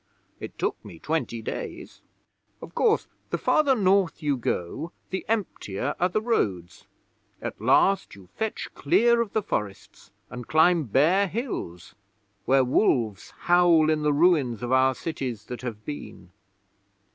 It took me twenty days. 'Of course, the farther North you go the emptier are the roads. At last you fetch clear of the forests and climb bare hills, where wolves howl in the ruins of our cities that have been.